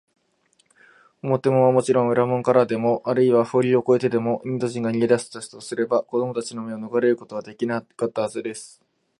表門はもちろん、裏門からでも、あるいは塀を乗りこえてでも、インド人が逃げだしたとすれば、子どもたちの目をのがれることはできなかったはずです。